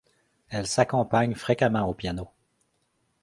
Elle s'accompagne fréquemment au piano.